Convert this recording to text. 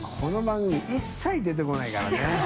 海糧崛一切出てこないからね。